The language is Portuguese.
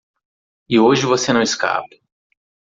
E hoje você não escapa.